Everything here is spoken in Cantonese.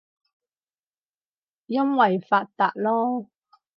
因爲發達囉